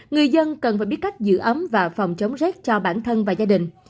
người dân cần phải biết cách giữ ấm và phòng chống rét cho bản thân và gia đình